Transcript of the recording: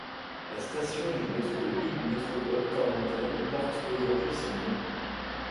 La station du Métro de Lille Métropole Cormontaigne porte aujourd'hui son nom.